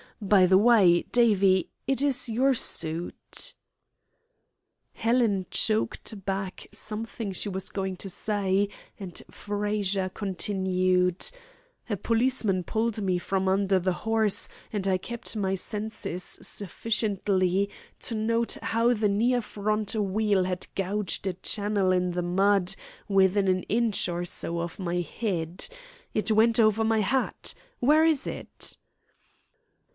By the way, Davie, it is your suit." Helen choked back something she was going to say, and Frazer continued: "A policeman pulled me from under the horse, and I kept my senses sufficiently to note how the near front wheel had gouged a channel in the mud within an inch or so of my head. It went over my hat. Where is it?"